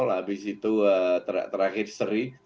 habis itu terakhir seri